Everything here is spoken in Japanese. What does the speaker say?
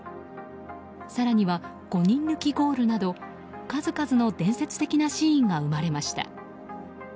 更には５人抜きゴールなど数々の伝説的なシーンが生まれました。